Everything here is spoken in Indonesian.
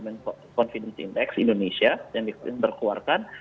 kita lihat dengan konsumen confidence index indonesia yang dikeluarkan